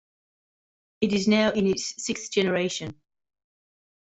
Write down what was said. It is now in its sixth generation.